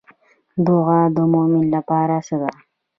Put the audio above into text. دعا د مومن لپاره څه ده؟